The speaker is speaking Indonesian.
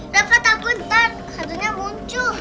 rafa takut ntar hantunya muncul